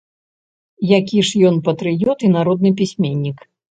Які ж ён патрыёт і народны пісьменнік.